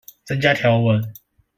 增加條文